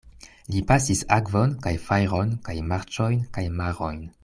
Li pasis akvon kaj fajron kaj marĉojn kaj marojn.